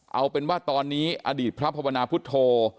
เอาเป็นว่าตอนนี้อดีตพระภาวนาพุทธโธ